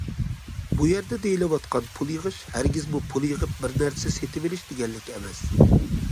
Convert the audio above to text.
بۇ يەردە دېيىلىۋاتقان پۇل يىغىش ھەرگىزمۇ پۇل يىغىپ بىر نەرسە سېتىۋېلىش دېگەنلىك ئەمەس.